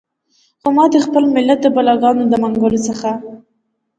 خو ما د خپل ملت د بلاګانو له منګولو څخه.